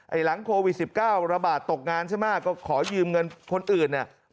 หลังโควิด๑๙ระบาดตกงานใช่ไหมก็ขอยืมเงินคนอื่นเนี่ย